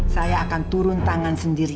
saya akan turun tangan sendiri